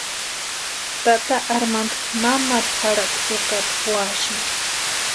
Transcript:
Tata Armandu mamaru jarhati úkata úasïni.